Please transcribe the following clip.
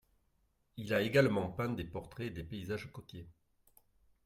Il a également peint des portraits et des paysages côtiers.